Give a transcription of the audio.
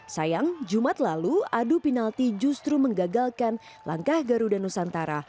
sayang jumat lalu adu penalti justru menggagalkan langkah garuda nusantara